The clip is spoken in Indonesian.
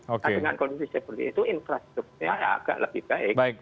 nah dengan kondisi seperti itu infrastrukturnya agak lebih baik